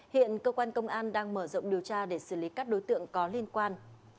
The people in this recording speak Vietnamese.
hiện cơ quan công an đang mở rộng điều tra để xử lý các đối tượng có liên quan